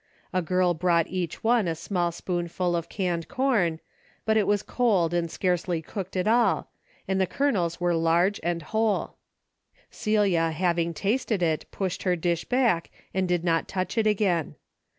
A girl brought each one a small spoonful of canned corn, but it was cold and scarcely cooked at all, and the kernels were large and whole. Celia having tasted it, pushed her dish back and did not touch it again.